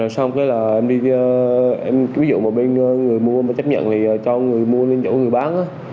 xong rồi em đi em ví dụ mà bên người mua mà chấp nhận thì cho người mua lên chỗ người bán á